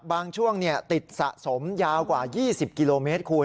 บางช่วงติดสะสมยาวกว่า๒๐กิโลเมตรคุณ